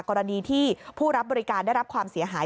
กรณีที่ผู้รับบริการได้รับความเสียหาย